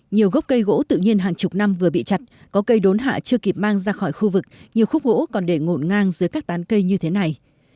nhiều gốc cây gỗ tự nhiên hàng chục năm vừa bị chặt có cây đốn hạ chưa kịp mang ra khỏi khu vực nhiều khúc gỗ còn để ngộn ngang dưới các tán cây như thế này